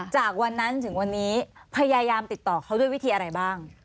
จากวันนั้นถึงวันนี้พยายามติดต่อเขาด้วยวิธีอะไรบ้าง